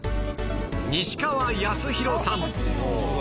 西川泰弘さん